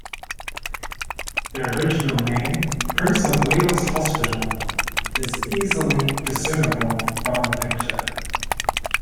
The original name 'Prince of Wales Hospital' is easily discernible from the picture.